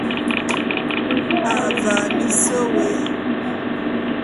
Avaa mis wôé.